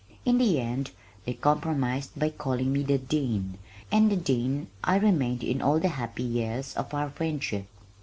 In the end they compromised by calling me "the Dean," and "the Dean" I remained in all the happy years of our friendship.